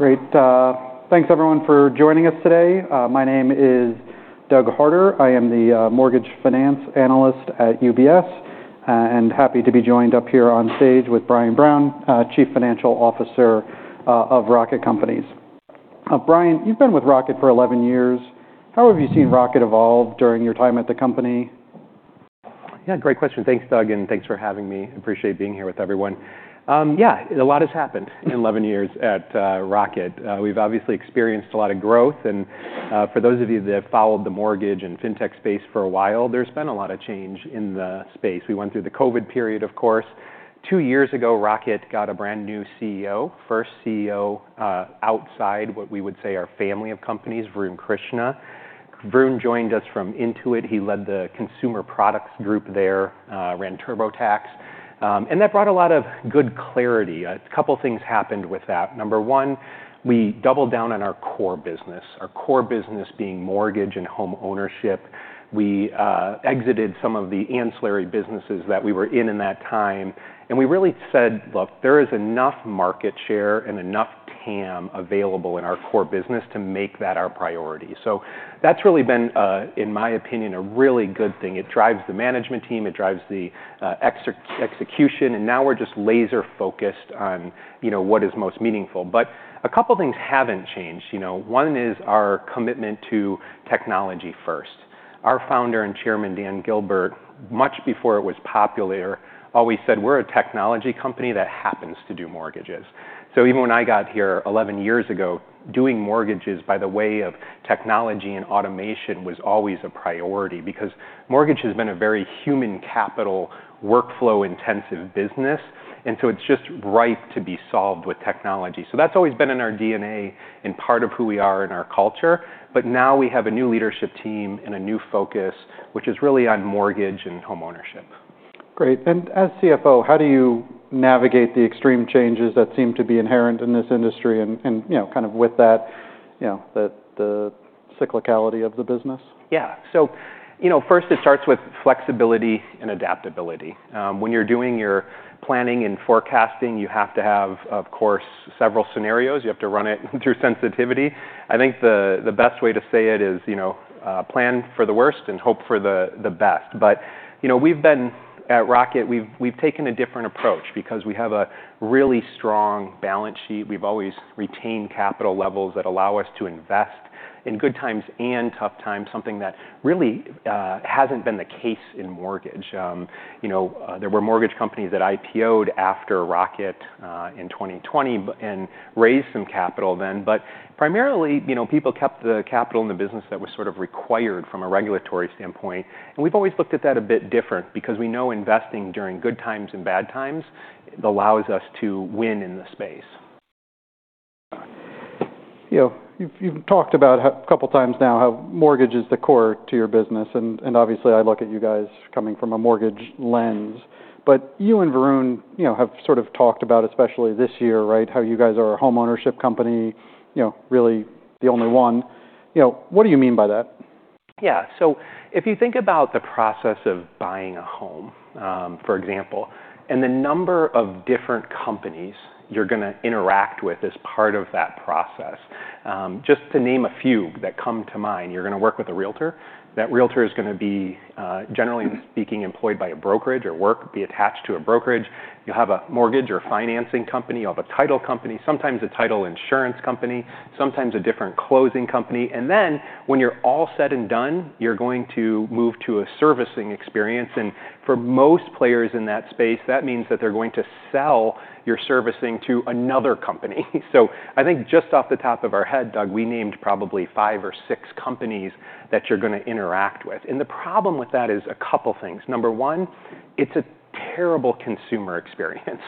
Great. Thanks, everyone, for joining us today. My name is Doug Harder. I am the mortgage finance analyst at UBS and happy to be joined up here on stage with Brian Brown, Chief Financial Officer of Rocket Companies. Brian, you've been with Rocket for 11 years. How have you seen Rocket evolve during your time at the company? Yeah, great question. Thanks, Doug, and thanks for having me. Appreciate being here with everyone. Yeah, a lot has happened in 11 years at Rocket. We've obviously experienced a lot of growth. And for those of you that have followed the mortgage and fintech space for a while, there's been a lot of change in the space. We went through the COVID period, of course. Two years ago, Rocket got a brand new CEO, first CEO outside what we would say our family of companies, Varun Krishna. Varun joined us from Intuit. He led the consumer products group there, ran TurboTax. And that brought a lot of good clarity. A couple of things happened with that. Number one, we doubled down on our core business, our core business being mortgage and home ownership. We exited some of the ancillary businesses that we were in in that time. And we really said, look, there is enough market share and enough TAM available in our core business to make that our priority. So that's really been, in my opinion, a really good thing. It drives the management team. It drives the execution. And now we're just laser-focused on what is most meaningful. But a couple of things haven't changed. One is our commitment to technology first. Our founder and chairman, Dan Gilbert, much before it was popular, always said, we're a technology company that happens to do mortgages. So even when I got here 11 years ago, doing mortgages by the way of technology and automation was always a priority because mortgage has been a very human capital, workflow-intensive business. And so it's just ripe to be solved with technology. So that's always been in our DNA and part of who we are in our culture. But now we have a new leadership team and a new focus, which is really on mortgage and home ownership. Great. And as CFO, how do you navigate the extreme changes that seem to be inherent in this industry and kind of with that cyclicality of the business? Yeah. So first, it starts with flexibility and adaptability. When you're doing your planning and forecasting, you have to have, of course, several scenarios. You have to run it through sensitivity. I think the best way to say it is plan for the worst and hope for the best. But we've been at Rocket, we've taken a different approach because we have a really strong balance sheet. We've always retained capital levels that allow us to invest in good times and tough times, something that really hasn't been the case in mortgage. There were mortgage companies that IPO'd after Rocket in 2020 and raised some capital then. But primarily, people kept the capital in the business that was sort of required from a regulatory standpoint. We've always looked at that a bit different because we know investing during good times and bad times allows us to win in the space. You've talked about a couple of times now how mortgage is the core to your business. And obviously, I look at you guys coming from a mortgage lens. But you and Varun have sort of talked about, especially this year, how you guys are a home ownership company, really the only one. What do you mean by that? Yeah. So if you think about the process of buying a home, for example, and the number of different companies you're going to interact with as part of that process, just to name a few that come to mind, you're going to work with a realtor. That realtor is going to be, generally speaking, employed by a brokerage or will be attached to a brokerage. You'll have a mortgage or financing company. You'll have a title company, sometimes a title insurance company, sometimes a different closing company. And then when you're all said and done, you're going to move to a servicing experience. And for most players in that space, that means that they're going to sell your servicing to another company. So I think just off the top of our head, Doug, we named probably five or six companies that you're going to interact with. The problem with that is a couple of things. Number one, it's a terrible consumer experience.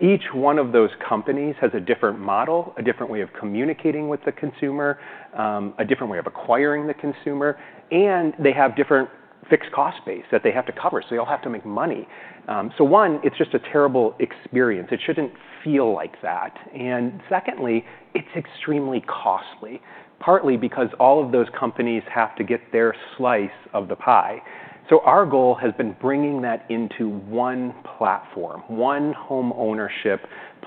Each one of those companies has a different model, a different way of communicating with the consumer, a different way of acquiring the consumer. They have different fixed cost base that they have to cover. So they all have to make money. So one, it's just a terrible experience. It shouldn't feel like that. Secondly, it's extremely costly, partly because all of those companies have to get their slice of the pie. Our goal has been bringing that into one platform, one home ownership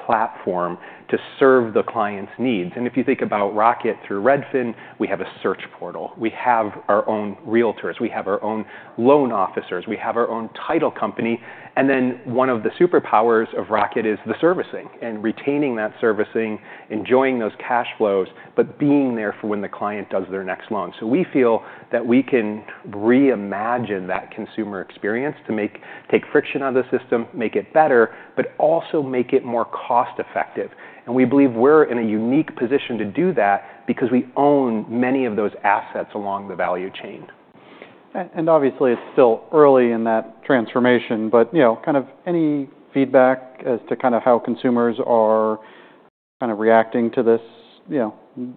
platform to serve the client's needs. If you think about Rocket through Redfin, we have a search portal. We have our own realtors. We have our own loan officers. We have our own title company. And then one of the superpowers of Rocket is the servicing and retaining that servicing, enjoying those cash flows, but being there for when the client does their next loan. So we feel that we can reimagine that consumer experience to take friction out of the system, make it better, but also make it more cost-effective. And we believe we're in a unique position to do that because we own many of those assets along the value chain. Obviously, it's still early in that transformation. Any feedback as to how consumers are reacting to this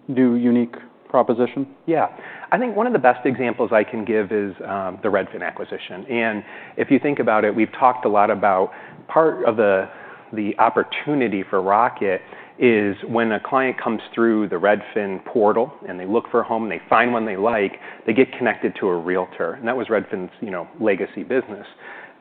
new unique proposition? Yeah. I think one of the best examples I can give is the Redfin acquisition. And if you think about it, we've talked a lot about part of the opportunity for Rocket is when a client comes through the Redfin portal and they look for a home, they find one they like, they get connected to a realtor. And that was Redfin's legacy business.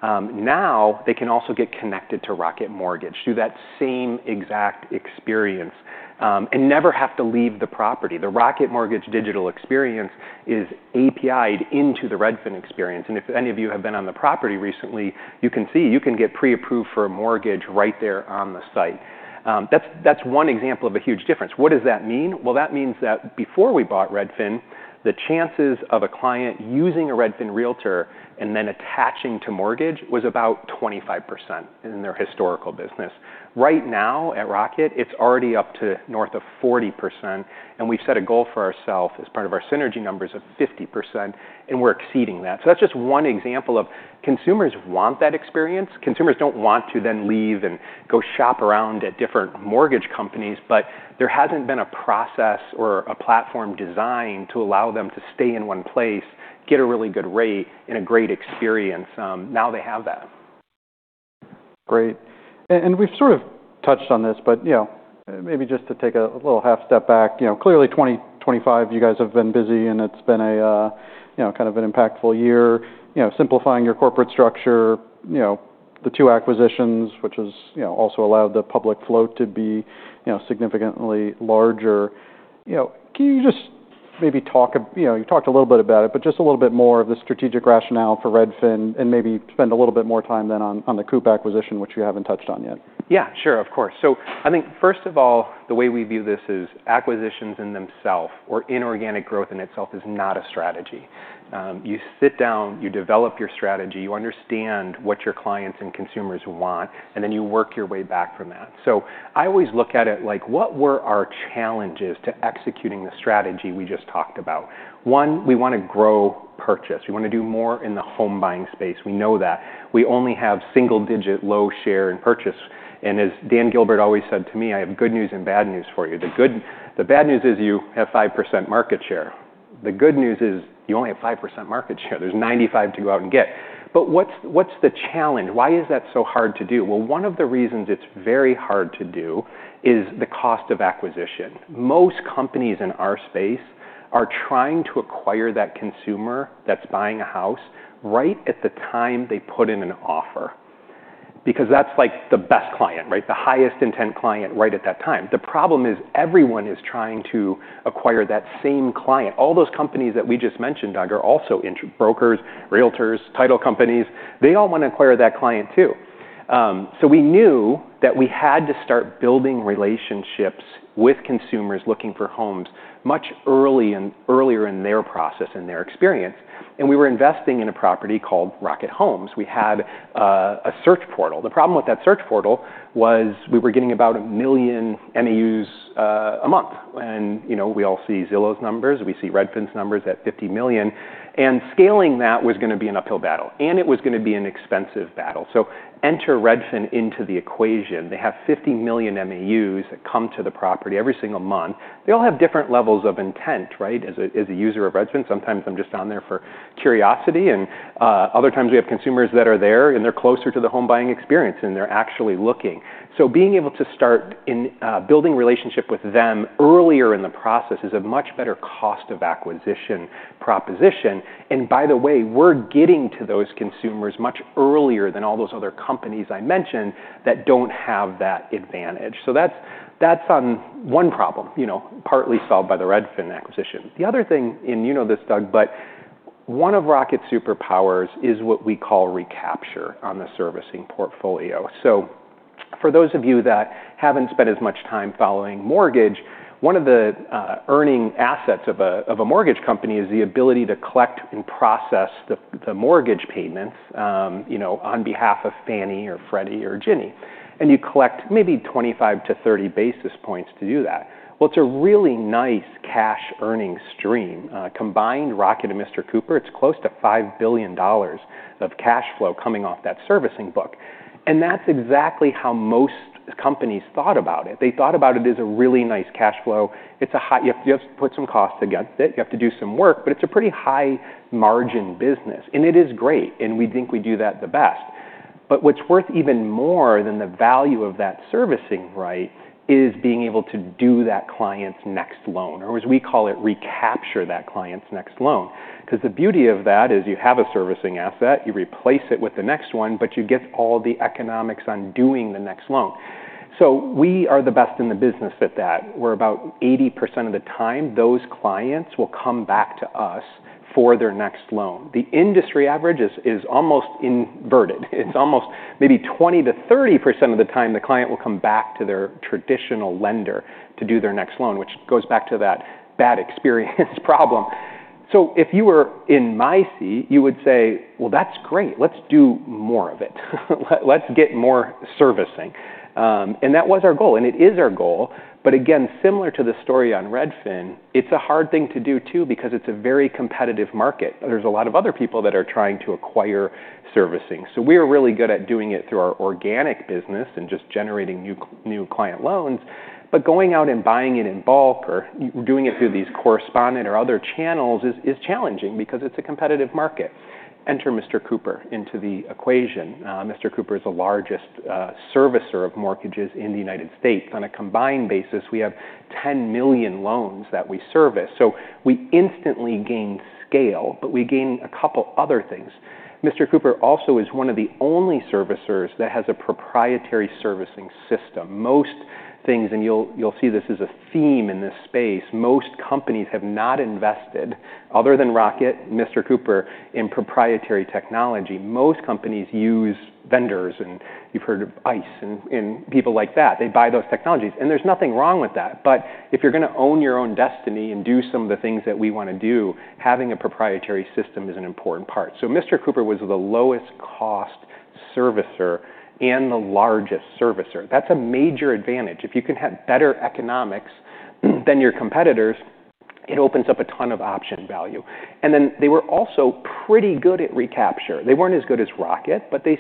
Now they can also get connected to Rocket Mortgage through that same exact experience and never have to leave the property. The Rocket Mortgage digital experience is API'd into the Redfin experience. And if any of you have been on the property recently, you can see you can get pre-approved for a mortgage right there on the site. That's one example of a huge difference. What does that mean? That means that before we bought Redfin, the chances of a client using a Redfin realtor and then attaching to mortgage was about 25% in their historical business. Right now at Rocket, it's already up to north of 40%. We've set a goal for ourselves as part of our synergy numbers of 50%. We're exceeding that. That's just one example of consumers want that experience. Consumers don't want to then leave and go shop around at different mortgage companies. There hasn't been a process or a platform designed to allow them to stay in one place, get a really good rate, and a great experience. Now they have that. Great. And we've sort of touched on this. But maybe just to take a little half step back, clearly 2025, you guys have been busy. And it's been kind of an impactful year, simplifying your corporate structure, the two acquisitions, which has also allowed the public float to be significantly larger. Can you just maybe talk? You talked a little bit about it, but just a little bit more of the strategic rationale for Redfin and maybe spend a little bit more time then on the Coop acquisition, which you haven't touched on yet. Yeah, sure, of course. So I think first of all, the way we view this is acquisitions in themself or inorganic growth in itself is not a strategy. You sit down, you develop your strategy, you understand what your clients and consumers want, and then you work your way back from that. So I always look at it like, what were our challenges to executing the strategy we just talked about? One, we want to grow purchase. We want to do more in the home buying space. We know that. We only have single-digit low share in purchase. And as Dan Gilbert always said to me, I have good news and bad news for you. The bad news is you have 5% market share. The good news is you only have 5% market share. There's 95% to go out and get. But what's the challenge? Why is that so hard to do? Well, one of the reasons it's very hard to do is the cost of acquisition. Most companies in our space are trying to acquire that consumer that's buying a house right at the time they put in an offer because that's like the best client, right, the highest intent client right at that time. The problem is everyone is trying to acquire that same client. All those companies that we just mentioned, Doug, are also brokers, realtors, title companies. They all want to acquire that client too. So we knew that we had to start building relationships with consumers looking for homes much earlier in their process and their experience. And we were investing in a property called Rocket Homes. We had a search portal. The problem with that search portal was we were getting about a million MAUs a month. And we all see Zillow's numbers. We see Redfin's numbers at 50 million. And scaling that was going to be an uphill battle. And it was going to be an expensive battle. So enter Redfin into the equation. They have 50 million MAUs that come to the property every single month. They all have different levels of intent, right, as a user of Redfin. Sometimes I'm just on there for curiosity. And other times we have consumers that are there and they're closer to the home buying experience and they're actually looking. So being able to start building relationship with them earlier in the process is a much better cost of acquisition proposition. And by the way, we're getting to those consumers much earlier than all those other companies I mentioned that don't have that advantage. So that's one problem partly solved by the Redfin acquisition. The other thing, and you know this, Doug, but one of Rocket's superpowers is what we call recapture on the servicing portfolio. So for those of you that haven't spent as much time following mortgage, one of the earning assets of a mortgage company is the ability to collect and process the mortgage payments on behalf of Fannie or Freddie or Ginnie. And you collect maybe 25-30 basis points to do that. Well, it's a really nice cash earning stream. Combined, Rocket and Mr. Cooper, it's close to $5 billion of cash flow coming off that servicing book. And that's exactly how most companies thought about it. They thought about it as a really nice cash flow. You have to put some costs against it. You have to do some work. But it's a pretty high margin business. And it is great. And we think we do that the best. But what's worth even more than the value of that servicing right is being able to do that client's next loan, or as we call it, recapture that client's next loan. Because the beauty of that is you have a servicing asset, you replace it with the next one, but you get all the economics on doing the next loan. So we are the best in the business at that. We're about 80% of the time those clients will come back to us for their next loan. The industry average is almost inverted. It's almost maybe 20%-30% of the time the client will come back to their traditional lender to do their next loan, which goes back to that bad experience problem. So if you were in my seat, you would say, well, that's great. Let's do more of it. Let's get more servicing, and that was our goal, and it is our goal, but again, similar to the story on Redfin, it's a hard thing to do too because it's a very competitive market. There's a lot of other people that are trying to acquire servicing, so we are really good at doing it through our organic business and just generating new client loans, but going out and buying it in bulk or doing it through these correspondent or other channels is challenging because it's a competitive market. Enter Mr. Cooper into the equation. Mr. Cooper is the largest servicer of mortgages in the United States. On a combined basis, we have 10 million loans that we service, so we instantly gain scale, but we gain a couple of other things. Mr. Cooper also is one of the only servicers that has a proprietary servicing system. Most things, and you'll see this is a theme in this space, most companies have not invested, other than Rocket, Mr. Cooper, in proprietary technology. Most companies use vendors, and you've heard of ICE and people like that. They buy those technologies, and there's nothing wrong with that, but if you're going to own your own destiny and do some of the things that we want to do, having a proprietary system is an important part, so Mr. Cooper was the lowest cost servicer and the largest servicer. That's a major advantage. If you can have better economics than your competitors, it opens up a ton of option value, and then they were also pretty good at recapture. They weren't as good as Rocket, but they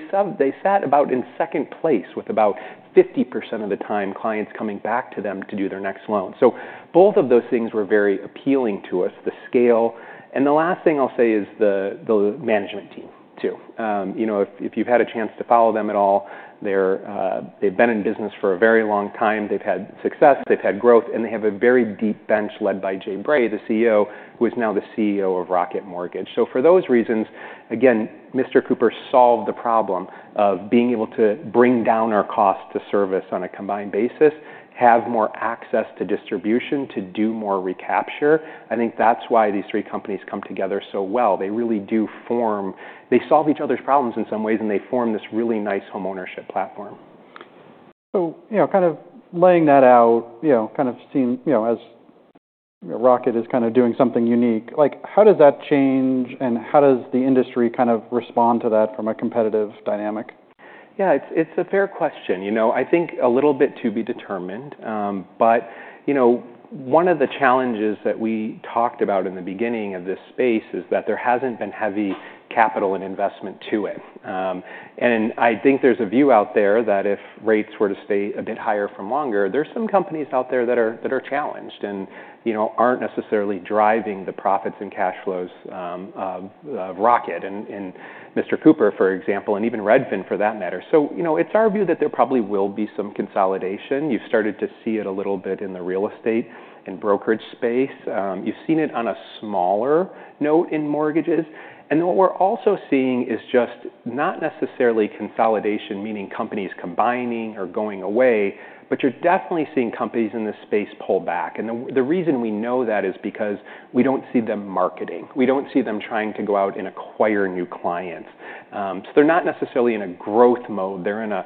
sat about in second place with about 50% of the time clients coming back to them to do their next loan. So both of those things were very appealing to us, the scale. And the last thing I'll say is the management team too. If you've had a chance to follow them at all, they've been in business for a very long time. They've had success. They've had growth. And they have a very deep bench led by Jay Bray, the CEO, who is now the CEO of Rocket Mortgage. So for those reasons, again, Mr. Cooper solved the problem of being able to bring down our cost to service on a combined basis, have more access to distribution to do more recapture. I think that's why these three companies come together so well. They really do form. They solve each other's problems in some ways. And they form this really nice home ownership platform. So, kind of laying that out, kind of seeing as Rocket is kind of doing something unique, how does that change? And how does the industry kind of respond to that from a competitive dynamic? Yeah, it's a fair question. I think a little bit to be determined. But one of the challenges that we talked about in the beginning of this space is that there hasn't been heavy capital and investment to it. And I think there's a view out there that if rates were to stay a bit higher for longer, there's some companies out there that are challenged and aren't necessarily driving the profits and cash flows of Rocket and Mr. Cooper, for example, and even Redfin for that matter. So it's our view that there probably will be some consolidation. You've started to see it a little bit in the real estate and brokerage space. You've seen it on a smaller note in mortgages. And what we're also seeing is just not necessarily consolidation, meaning companies combining or going away, but you're definitely seeing companies in this space pull back. The reason we know that is because we don't see them marketing. We don't see them trying to go out and acquire new clients. So they're not necessarily in a growth mode. They're in a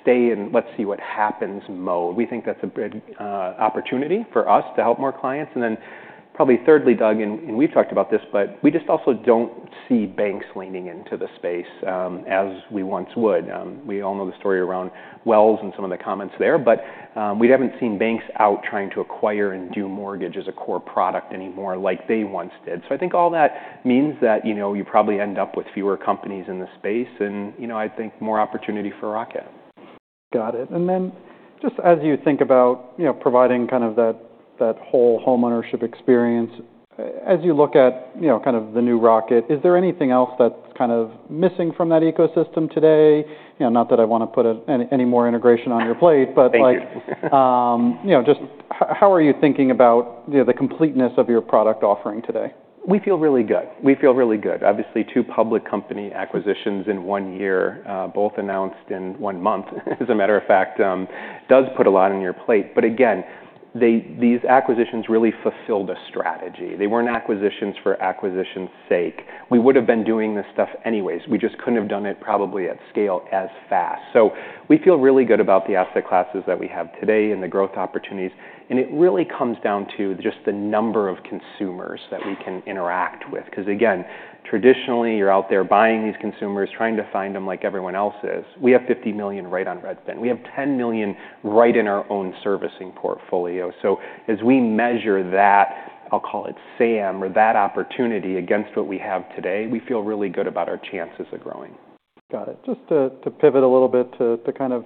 stay and let's see what happens mode. We think that's a good opportunity for us to help more clients. Then probably thirdly, Doug, and we've talked about this, but we just also don't see banks leaning into the space as we once would. We all know the story around Wells and some of the comments there. We haven't seen banks out trying to acquire and do mortgage as a core product anymore like they once did. I think all that means that you probably end up with fewer companies in the space. I think more opportunity for Rocket. Got it. And then just as you think about providing kind of that whole home ownership experience, as you look at kind of the new Rocket, is there anything else that's kind of missing from that ecosystem today? Not that I want to put any more integration on your plate, but just how are you thinking about the completeness of your product offering today? We feel really good. We feel really good. Obviously, two public company acquisitions in one year, both announced in one month, as a matter of fact, does put a lot on your plate. But again, these acquisitions really fulfilled a strategy. They weren't acquisitions for acquisition's sake. We would have been doing this stuff anyways. We just couldn't have done it probably at scale as fast. So we feel really good about the asset classes that we have today and the growth opportunities. And it really comes down to just the number of consumers that we can interact with. Because again, traditionally, you're out there buying these consumers, trying to find them like everyone else is. We have 50 million right on Redfin. We have 10 million right in our own servicing portfolio. So as we measure that, I'll call it SAM, or that opportunity against what we have today, we feel really good about our chances of growing. Got it. Just to pivot a little bit to kind of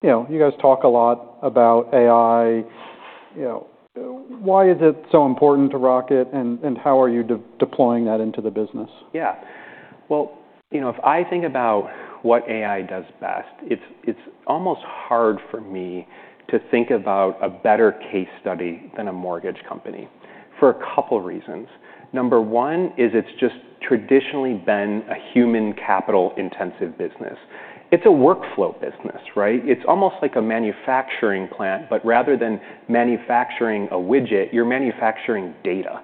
you guys talk a lot about AI. Why is it so important to Rocket and how are you deploying that into the business? Yeah. Well, if I think about what AI does best, it's almost hard for me to think about a better case study than a mortgage company for a couple of reasons. Number one is it's just traditionally been a human capital intensive business. It's a workflow business, right? It's almost like a manufacturing plant. But rather than manufacturing a widget, you're manufacturing data.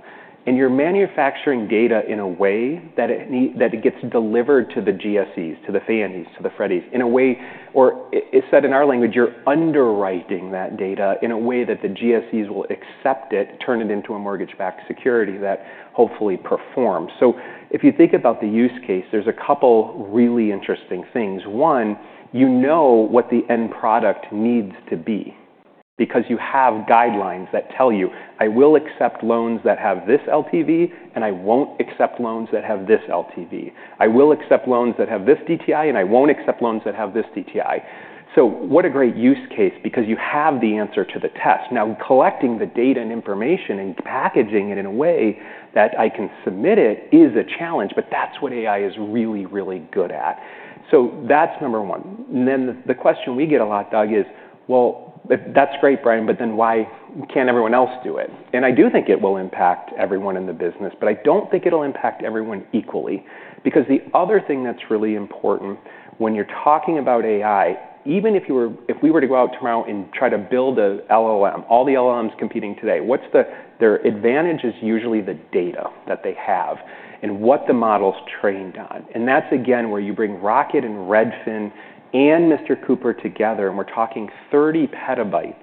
And you're manufacturing data in a way that it gets delivered to the GSEs, to the Fannies, to the Freddies in a way, or said in our language, you're underwriting that data in a way that the GSEs will accept it, turn it into a mortgage-backed security that hopefully performs. So if you think about the use case, there's a couple of really interesting things. One, you know what the end product needs to be because you have guidelines that tell you, I will accept loans that have this LTV, and I won't accept loans that have this LTV. I will accept loans that have this DTI, and I won't accept loans that have this DTI, so what a great use case because you have the answer to the test. Now, collecting the data and information and packaging it in a way that I can submit it is a challenge, but that's what AI is really, really good at. So that's number one, and then the question we get a lot, Doug, is, well, that's great, Brian, but then why can't everyone else do it, and I do think it will impact everyone in the business, but I don't think it'll impact everyone equally. Because the other thing that's really important when you're talking about AI, even if we were to go out tomorrow and try to build an LLM, all the LLMs competing today, their advantage is usually the data that they have and what the model's trained on. And that's, again, where you bring Rocket and Redfin and Mr. Cooper together. And we're talking 30 TB,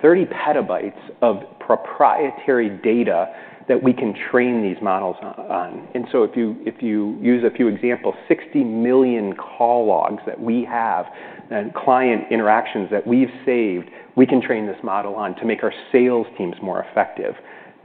30 TB of proprietary data that we can train these models on. And so if you use a few examples, 60 million call logs that we have and client interactions that we've saved, we can train this model on to make our sales teams more effective.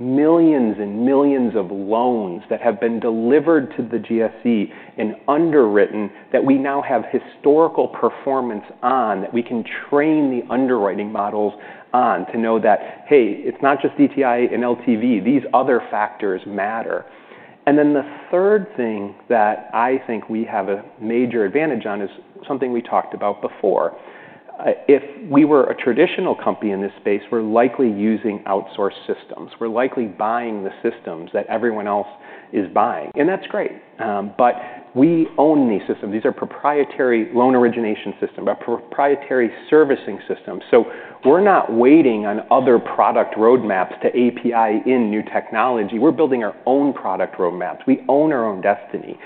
Millions and millions of loans that have been delivered to the GSE and underwritten that we now have historical performance on that we can train the underwriting models on to know that, hey, it's not just DTI and LTV. These other factors matter. And then the third thing that I think we have a major advantage on is something we talked about before. If we were a traditional company in this space, we're likely using outsourced systems. We're likely buying the systems that everyone else is buying. And that's great. But we own these systems. These are proprietary loan origination systems, a proprietary servicing system. So we're not waiting on other product roadmaps to API in new technology. We're building our own product roadmaps. We own our own destiny.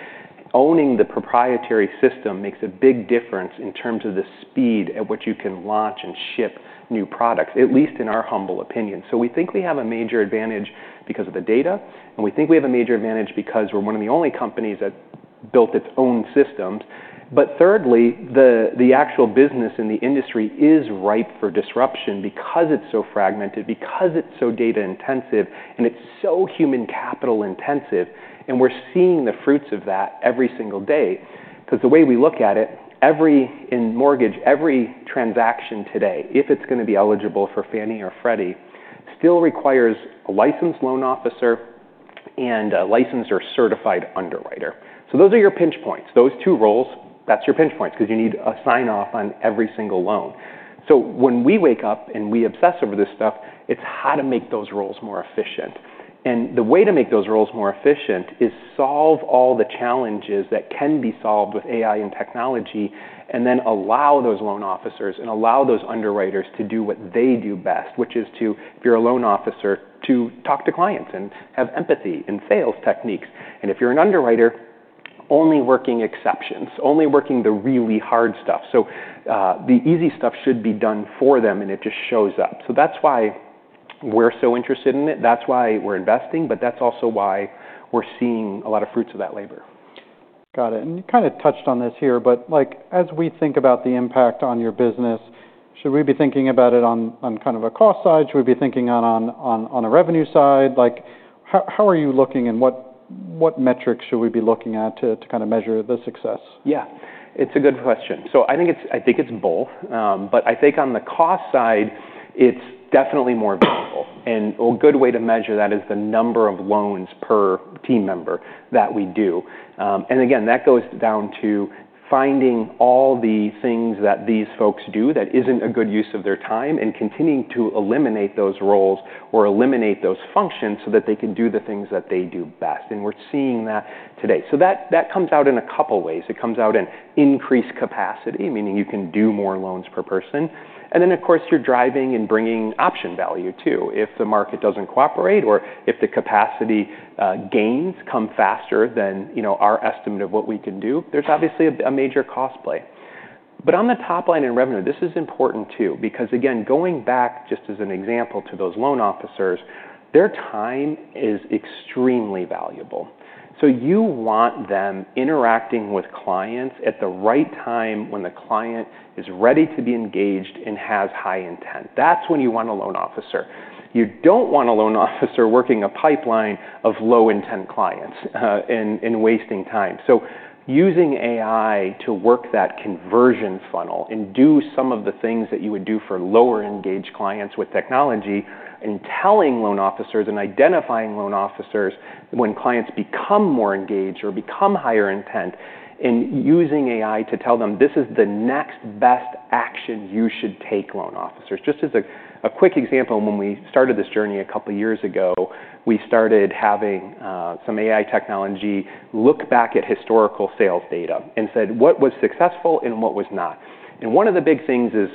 Owning the proprietary system makes a big difference in terms of the speed at which you can launch and ship new products, at least in our humble opinion. So we think we have a major advantage because of the data. And we think we have a major advantage because we're one of the only companies that built its own systems. But thirdly, the actual business in the industry is ripe for disruption because it's so fragmented, because it's so data intensive, and it's so human capital intensive. And we're seeing the fruits of that every single day. Because the way we look at it, in mortgage, every transaction today, if it's going to be eligible for Fannie or Freddie, still requires a licensed loan officer and a licensed or certified underwriter. So those are your pinch points. Those two roles, that's your pinch points because you need a sign-off on every single loan. So when we wake up and we obsess over this stuff, it's how to make those roles more efficient. And the way to make those roles more efficient is solve all the challenges that can be solved with AI and technology, and then allow those loan officers and allow those underwriters to do what they do best, which is, if you're a loan officer, to talk to clients and have empathy and sales techniques. And if you're an underwriter, only working exceptions, only working the really hard stuff. So the easy stuff should be done for them, and it just shows up. So that's why we're so interested in it. That's why we're investing. But that's also why we're seeing a lot of fruits of that labor. Got it. And you kind of touched on this here. But as we think about the impact on your business, should we be thinking about it on kind of a cost side? Should we be thinking on a revenue side? How are you looking? And what metrics should we be looking at to kind of measure the success? Yeah. It's a good question. So I think it's both. But I think on the cost side, it's definitely more visible. And a good way to measure that is the number of loans per team member that we do. And again, that goes down to finding all the things that these folks do that isn't a good use of their time and continuing to eliminate those roles or eliminate those functions so that they can do the things that they do best. And we're seeing that today. So that comes out in a couple of ways. It comes out in increased capacity, meaning you can do more loans per person. And then, of course, you're driving and bringing option value too. If the market doesn't cooperate or if the capacity gains come faster than our estimate of what we can do, there's obviously a major cost play. But on the top line in revenue, this is important too. Because again, going back just as an example to those loan officers, their time is extremely valuable. So you want them interacting with clients at the right time when the client is ready to be engaged and has high intent. That's when you want a loan officer. You don't want a loan officer working a pipeline of low intent clients and wasting time. So using AI to work that conversion funnel and do some of the things that you would do for lower engaged clients with technology and telling loan officers and identifying loan officers when clients become more engaged or become higher intent and using AI to tell them, this is the next best action you should take, loan officers. Just as a quick example, when we started this journey a couple of years ago, we started having some AI technology look back at historical sales data and said, what was successful and what was not? And one of the big things is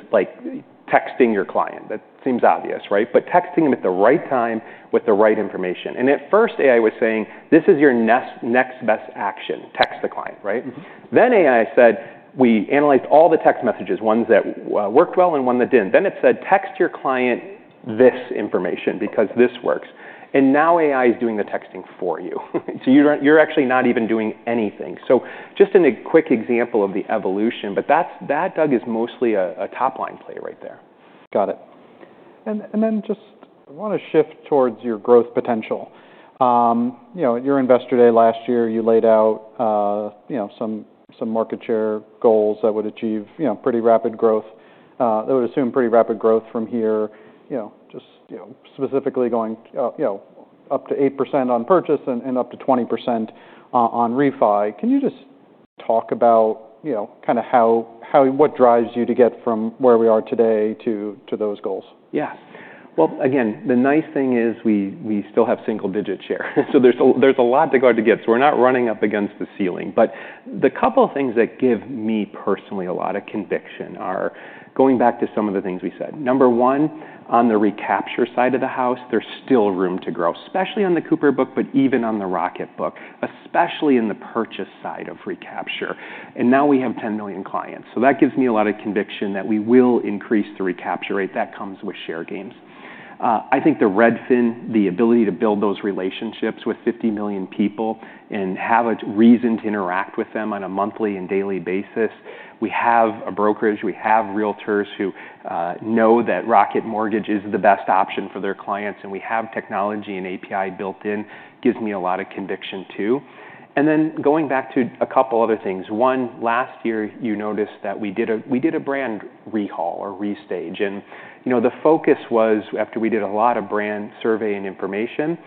texting your client. That seems obvious, right? But texting them at the right time with the right information. And at first, AI was saying, this is your next best action. Text the client, right? Then AI said, we analyzed all the text messages, ones that worked well and one that didn't. Then it said, text your client this information because this works. And now AI is doing the texting for you. So you're actually not even doing anything. So just in a quick example of the evolution. But that, Doug, is mostly a top line play right there. Got it, and then just I want to shift towards your growth potential. Your Investor Day last year, you laid out some market share goals that would achieve pretty rapid growth, that would assume pretty rapid growth from here, just specifically going up to 8% on purchase and up to 20% on refi. Can you just talk about kind of what drives you to get from where we are today to those goals? Yeah. Well, again, the nice thing is we still have single-digit share. So there's a lot to go for. We're not running up against the ceiling. But the couple of things that give me personally a lot of conviction are going back to some of the things we said. Number one, on the recapture side of the house, there's still room to grow, especially on the Cooper book, but even on the Rocket book, especially in the purchase side of recapture. And now we have 10 million clients. So that gives me a lot of conviction that we will increase the recapture rate. That comes with share gains. I think the Redfin, the ability to build those relationships with 50 million people and have a reason to interact with them on a monthly and daily basis. We have a brokerage. We have realtors who know that Rocket Mortgage is the best option for their clients, and we have technology and API built in. It gives me a lot of conviction too, and then going back to a couple of other things. One, last year, you noticed that we did a brand recall or restage. And the focus was, after we did a lot of brand survey and information,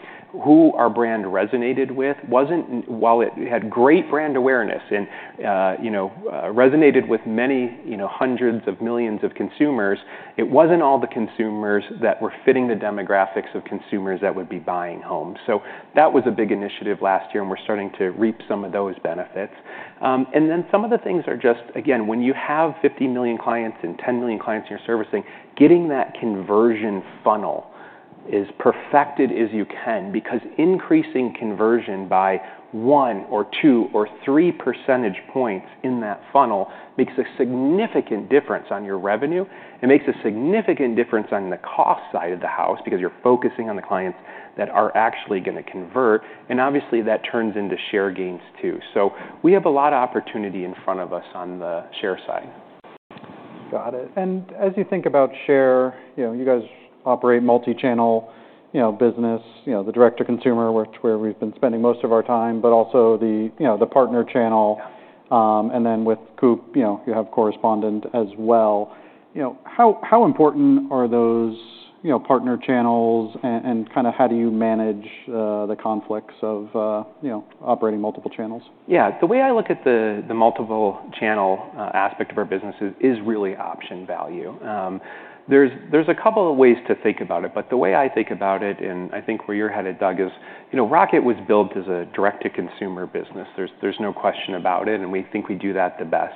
who our brand resonated with. While it had great brand awareness and resonated with many hundreds of millions of consumers, it wasn't all the consumers that were fitting the demographics of consumers that would be buying homes, so that was a big initiative last year, and we're starting to reap some of those benefits. And then some of the things are just, again, when you have 50 million clients and 10 million clients in your servicing, getting that conversion funnel as perfected as you can. Because increasing conversion by one or two or three percentage points in that funnel makes a significant difference on your revenue. It makes a significant difference on the cost side of the house because you're focusing on the clients that are actually going to convert, and obviously that turns into share gains too, so we have a lot of opportunity in front of us on the share side. Got it. And as you think about share, you guys operate multi-channel business, the direct-to-consumer, where we've been spending most of our time, but also the partner channel. And then with Coop, you have correspondent as well. How important are those partner channels? And kind of how do you manage the conflicts of operating multiple channels? Yeah. The way I look at the multiple channel aspect of our business is really option value. There's a couple of ways to think about it, but the way I think about it, and I think where you're headed, Doug, is Rocket was built as a direct-to-consumer business. There's no question about it, and we think we do that the best.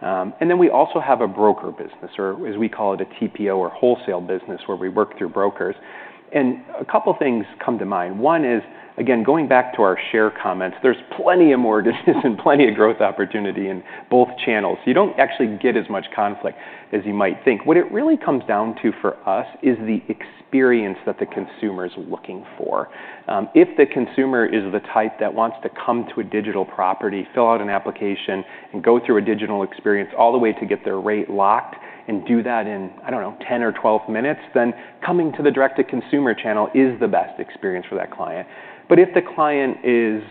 And then we also have a broker business, or as we call it, a TPO or wholesale business, where we work through brokers. And a couple of things come to mind. One is, again, going back to our share comments, there's plenty of mortgages and plenty of growth opportunity in both channels. You don't actually get as much conflict as you might think. What it really comes down to for us is the experience that the consumer is looking for. If the consumer is the type that wants to come to a digital property, fill out an application, and go through a digital experience all the way to get their rate locked and do that in, I don't know, 10 or 12 minutes, then coming to the direct-to-consumer channel is the best experience for that client. But if the client is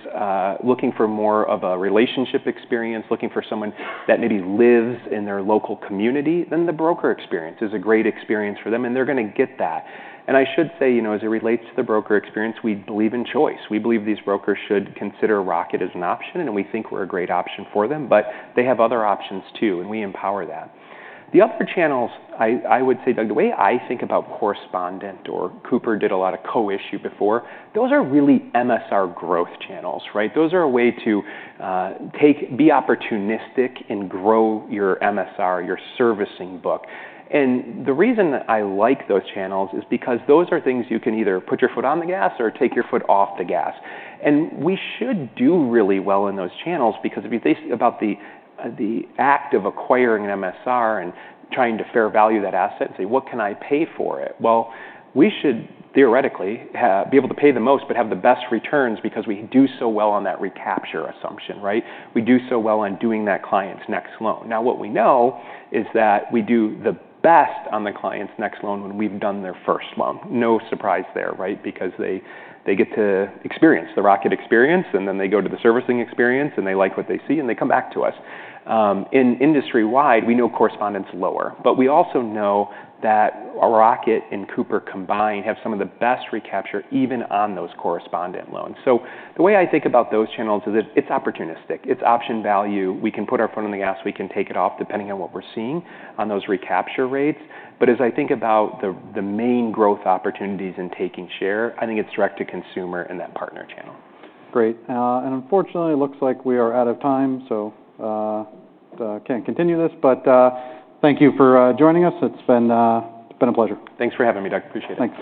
looking for more of a relationship experience, looking for someone that maybe lives in their local community, then the broker experience is a great experience for them. And they're going to get that. And I should say, as it relates to the broker experience, we believe in choice. We believe these brokers should consider Rocket as an option. And we think we're a great option for them. But they have other options too. And we empower that. The other channels, I would say, Doug, the way I think about correspondent or Cooper did a lot of co-issue before, those are really MSR growth channels, right? Those are a way to be opportunistic and grow your MSR, your servicing book, and the reason that I like those channels is because those are things you can either put your foot on the gas or take your foot off the gas, and we should do really well in those channels because if you think about the act of acquiring an MSR and trying to fair value that asset and say, what can I pay for it, well, we should theoretically be able to pay the most but have the best returns because we do so well on that recapture assumption, right? We do so well on doing that client's next loan. Now, what we know is that we do the best on the client's next loan when we've done their first loan. No surprise there, right? Because they get to experience the Rocket experience. And then they go to the servicing experience. And they like what they see. And they come back to us. And industry-wide, we know correspondent's lower. But we also know that Rocket and Cooper combined have some of the best recapture even on those correspondent loans. So the way I think about those channels is it's opportunistic. It's option value. We can put our foot on the gas. We can take it off depending on what we're seeing on those recapture rates. But as I think about the main growth opportunities in taking share, I think it's direct-to-consumer and that partner channel. Great. And unfortunately, it looks like we are out of time. So I can't continue this. But thank you for joining us. It's been a pleasure. Thanks for having me, Doug. Appreciate it.